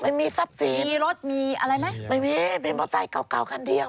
ไม่มีทรัพย์สินมีรถมีอะไรไหมไม่มีมีมอเซเก่าเก่าคันเดียว